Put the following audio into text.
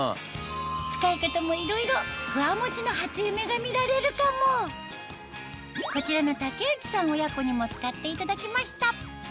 使い方もいろいろふわもちの初夢が見られるかもこちらの竹内さん親子にも使っていただきました